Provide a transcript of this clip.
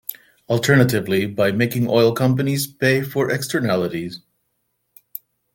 Alternatively, by making oil companies pay for externalities.